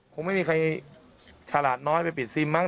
คงไม่มีใครฉลาดน้อยไปปิดซิมมั้